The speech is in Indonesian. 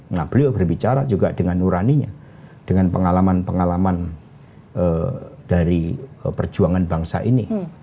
nah beliau berbicara juga dengan nuraninya dengan pengalaman pengalaman dari perjuangan bangsa ini